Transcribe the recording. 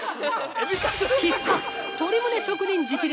◆必殺鶏むね職人直伝！